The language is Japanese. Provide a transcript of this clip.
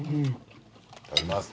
いただきます。